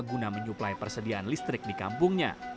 guna menyuplai persediaan listrik di kampungnya